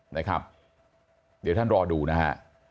เดี๋ยวท่านรอดูนะฮะ